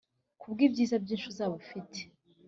ku bw’ibyiza byinshi uzaba ufite.